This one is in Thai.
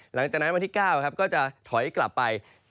หลังจากที่วันที่๙ก็จะถอยกลับไป